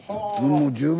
もう十分。